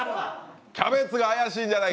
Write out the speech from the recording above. キャベツが怪しいんじゃないか？